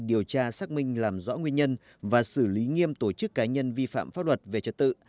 điều tra xác minh làm rõ nguyên nhân và xử lý nghiêm tổ chức cá nhân vi phạm pháp luật về trật tự